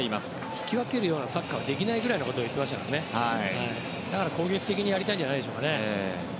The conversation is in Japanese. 引き分けるようなサッカーはできないぐらいのことを言っていたので攻撃的にやりたいんじゃないんでしょうかね。